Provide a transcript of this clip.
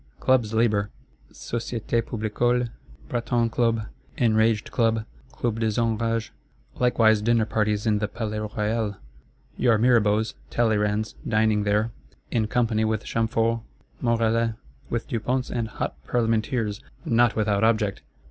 Clubs labour: Societe Publicole; Breton Club; Enraged Club, Club des Enrages. Likewise Dinner parties in the Palais Royal; your Mirabeaus, Talleyrands dining there, in company with Chamforts, Morellets, with Duponts and hot Parlementeers, not without object!